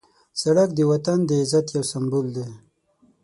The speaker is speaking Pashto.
سړک د وطن د عزت یو سمبول دی.